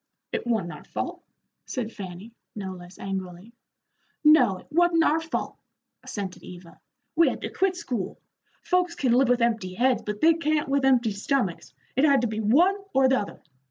"It wa'n't our fault," said Fanny, no less angrily. "No, it wa'n't our fault," assented Eva. "We had to quit school. Folks can live with empty heads, but they can't with empty stomachs. It had to be one or the other.